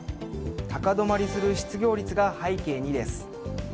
高止まりする失業率が背景にです。